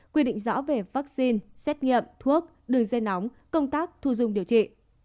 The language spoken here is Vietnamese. quy định rõ về vaccine xét nghiệm thuốc đường dây nóng công tác thu dung điều trị